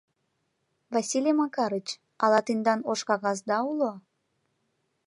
— Василий Макарыч, ала тендан ош кагазда уло?